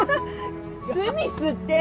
スミスって！